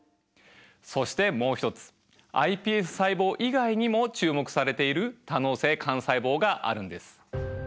そしてもう一つｉＰＳ細胞以外にも注目されている多能性幹細胞があるんです。